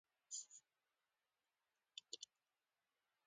مخامخ د زړې سړک پۀ شا تورسر